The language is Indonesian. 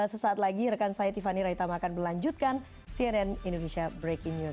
sesaat lagi rekan saya tiffany raitama akan melanjutkan cnn indonesia breaking news